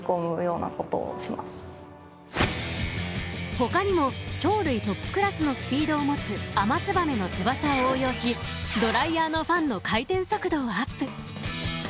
ほかにも鳥類トップクラスのスピードを持つアマツバメの翼を応用しドライヤーのファンの回転速度をアップ。